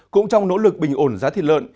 cũng trong nỗ lực bình ổn giá thịt lợn